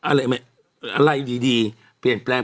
อะไรดีเปลี่ยนแปลง